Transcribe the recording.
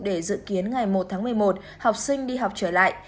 để dự kiến ngày một tháng một mươi một học sinh đi học trở lại